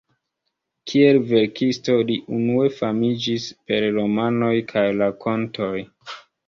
Kiel verkisto li unue famiĝis per romanoj kaj rakontoj.